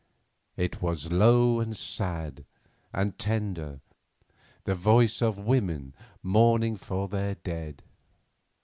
It was low, and sad, and tender, the voice of women mourning for their dead.